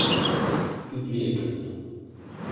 vi bliver i køknet.